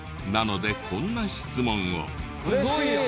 なのでこんな質問を。嬉しい！